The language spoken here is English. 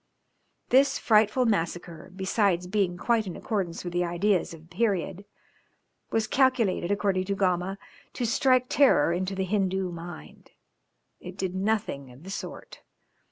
This frightful massacre, besides being quite in accordance with the ideas of the period, was calculated according to Gama, to strike terror into the Hindoo mind: it did nothing of the sort.